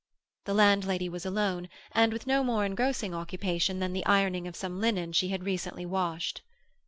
The landlady was alone, and with no more engrossing occupation than the ironing of some linen she had recently washed.